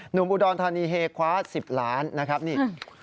หนุ่มอุดรธานีเฮคว้า๑๐ล้านนะครับนี่